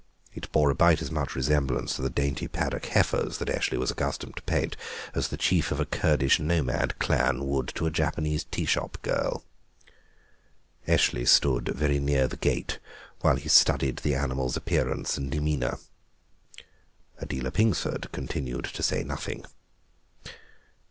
It bore about as much resemblance to the dainty paddock heifers that Eshley was accustomed to paint as the chief of a Kurdish nomad clan would to a Japanese tea shop girl. Eshley stood very near the gate while he studied the animal's appearance and demeanour. Adela Pingsford continued to say nothing.